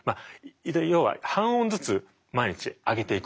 要は半音ずつ毎日上げていくわけです。